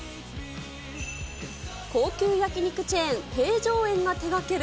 高級焼き肉チェーン、平城苑が手がける